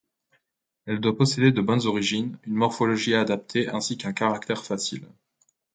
Elle doit posséder de bonnes origines, une morphologie adaptée ainsi qu'un caractère facile.